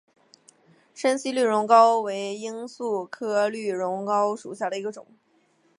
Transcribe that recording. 滇西绿绒蒿为罂粟科绿绒蒿属下的一个种。